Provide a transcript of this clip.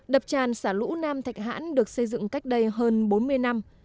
đập tràn xả lũ nam thạch hãn được xây dựng cách đây hơn bốn mươi năm